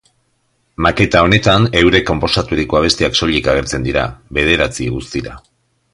Maketa honetan, eurek konposaturiko abestiak soilik agertzen dira, bederatzi guztira.